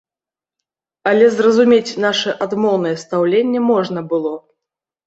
Але зразумець наша адмоўнае стаўленне можна было.